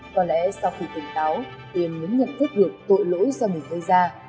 có lẽ sau khi tỉnh táo tuyên mới nhận thức được tội lỗi do mình gây ra